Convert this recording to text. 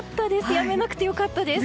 やめなくて良かったです。